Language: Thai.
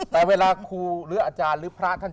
แต่เวลาครูหรืออาจารย์หรือพระท่าน